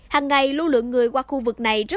hằng ngày lưu lượng người qua khu vực này rất